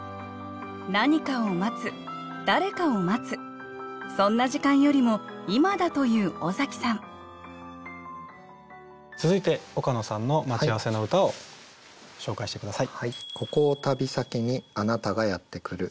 何かを待つ誰かを待つそんな時間よりも今だという尾崎さん続いて岡野さんの「待ち合わせ」の歌を紹介して下さい。